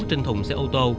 trên thùng xe ô tô